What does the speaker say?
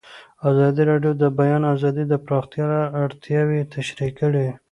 ازادي راډیو د د بیان آزادي د پراختیا اړتیاوې تشریح کړي.